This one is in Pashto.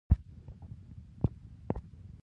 د نرمښت او متانت لار یې خپلوله.